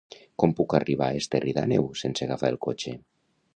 Com puc arribar a Esterri d'Àneu sense agafar el cotxe?